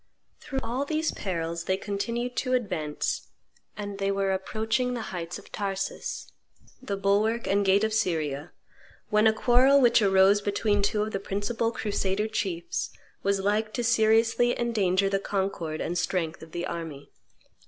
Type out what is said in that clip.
Through all these perils they continued to advance, and they were approaching the heights of Taurus, the bulwark and gate of Syria, when a quarrel which arose between two of the principal crusader chiefs was like to seriously endanger the concord and strength of the army.